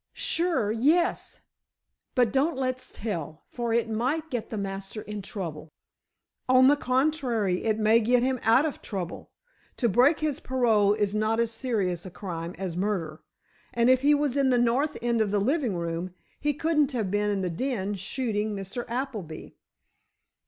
"Sure, yes; but don't let's tell, for it might get the master in trouble." "On the contrary it may get him out of trouble. To break his parole is not as serious a crime as murder. And if he was in the north end of the living room he couldn't have been in the den shooting Mr. Appleby."